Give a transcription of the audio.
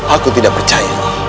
aku tidak percaya